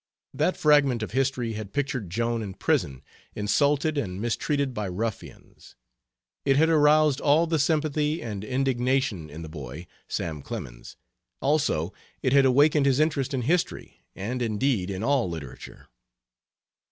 That fragment of history had pictured Joan in prison, insulted and mistreated by ruffians. It had aroused all the sympathy and indignation in the boy, Sam Clemens; also, it had awakened his interest in history, and, indeed, in all literature.